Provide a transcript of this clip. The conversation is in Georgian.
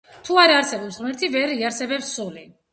თუ არ არსებობს ღმერთი, ვერ იარსებებს სული.